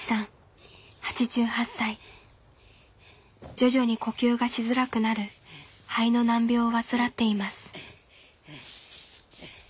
徐々に呼吸がしづらくなる肺の難病を患っています。